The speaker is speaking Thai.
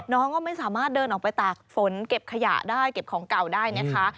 น้องก็ไม่สามารถเดินออกไปตากฝนเก็บขยะได้เก็บของเก่าได้นะคะ